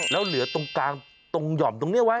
แล้วเหลือตรงกลางตรงหย่อมตรงนี้ไว้